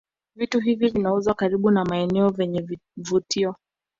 Vitu hivi vinauzwa karibu na maeneo yenye vivutio